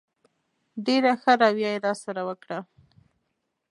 ډېره ښه رویه یې راسره وکړه.